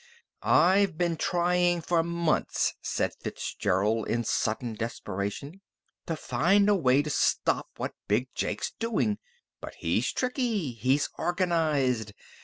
"I've been tryin' for months," said Fitzgerald in sudden desperation, "to find a way to stop what Big Jake's doin'. But he's tricky. He's organized.